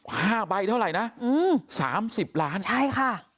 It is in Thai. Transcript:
ห้าใบเท่าไหร่นะอืมสามสิบล้านใช่ค่ะ